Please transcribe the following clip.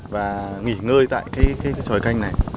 và nghỉ ngơi tại cái tròi canh này